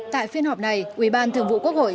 tại phiên họp này ủy ban thường vụ quốc hội